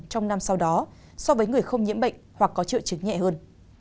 trong năm sau đó so với người không nhiễm bệnh hoặc có triệu chứng nhẹ hơn